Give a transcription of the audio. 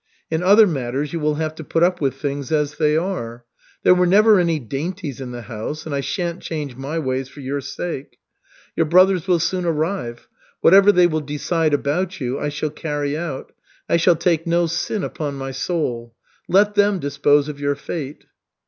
In other matters you will have to put up with things as they are. There were never any dainties in the house, and I shan't change my ways for your sake. Your brothers will soon arrive. Whatever they will decide about you, I shall carry out. I shall take no sin upon my soul. Let them dispose of your fate."